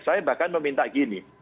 saya bahkan meminta begini